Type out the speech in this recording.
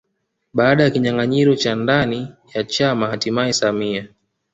Baada ya kinyanganyiro cha ndani ya chama hatimaye samia